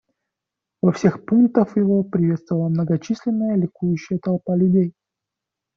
Во всех пунктах его приветствовала многочисленная ликующая толпа людей.